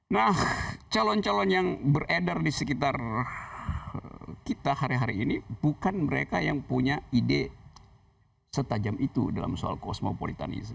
nah calon calon yang beredar di sekitar kita hari hari ini bukan mereka yang punya ide setajam itu dalam soal kosmopolitanisme